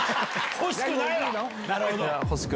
欲しくないわ！